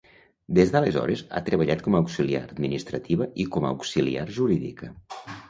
Des d'aleshores, ha treballat com a auxiliar administrativa i com a auxiliar jurídica.